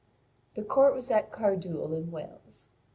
The court was at Carduel in Wales.